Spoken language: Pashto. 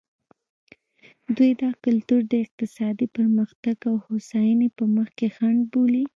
دوی دا کلتور د اقتصادي پرمختګ او هوساینې په مخ کې خنډ بولي.